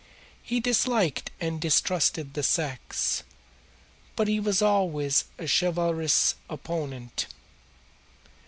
He disliked and distrusted the sex, but he was always a chivalrous opponent.